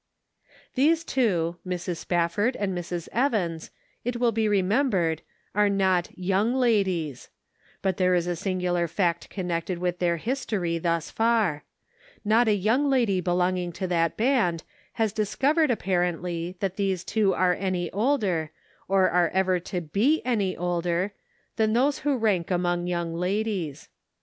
488 The Pocket Measure. These two, Mrs. Spafford and Mrs. Evans, it will be remembered, are not young ladies; but there is a singular fact connected with their history thus far : Not a young lady belonging to that Band has discovered apparently that these two are any older, or are ever to be any older, than those who rank among young ladies.